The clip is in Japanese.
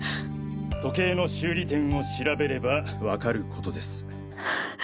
時計の修理店を調べれば分かることです。